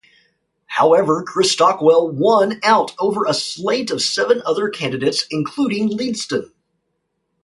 However Chris Stockwell won out over a slate of seven other candidates including Leadston.